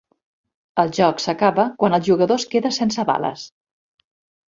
El joc s'acaba quan el jugador es queda sense bales.